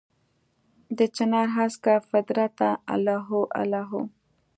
دچنارهسکه فطرته الله هو، الله هو